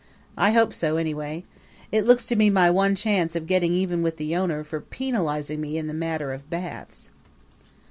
I hope so anyway. It looks to be my one chance of getting even with the owner for penalizing me in the matter of baths.